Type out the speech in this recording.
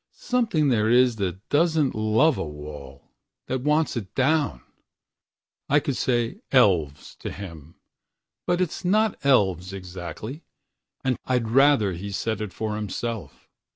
Something there is that doesn't love a wall, That wants it down." I could say "Elves" to him, But it's not elves exactly, and I'd ratherHe said it for himself.